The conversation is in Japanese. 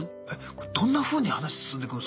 どんなふうに話進んでいくんすか？